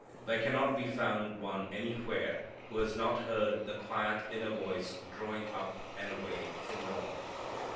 There cannot be found one anywhere who has not heard the quiet inner voice drawing up, and away from wrong.